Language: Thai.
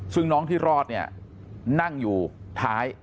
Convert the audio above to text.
ซึ่งน้องที่รอดเนี่ยนั่งอยู่ท้าย